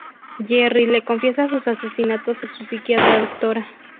Jerry le confiesa sus asesinatos a su psiquiatra Dra.